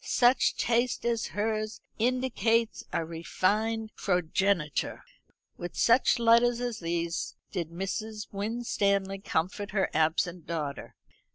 Such taste as hers indicates a refined progeniture." With such letters as these did Mrs. Winstanley comfort her absent daughter.